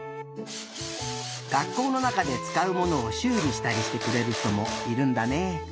学校のなかでつかうものをしゅうりしたりしてくれるひともいるんだね。